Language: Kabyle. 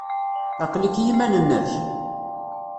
Aql-ik i yiman-nnek?